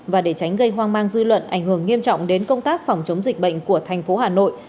và để tránh gây hoang mang dư luận ảnh hưởng nghiêm trọng đến công tác phòng chống dịch bệnh của thành phố hà nội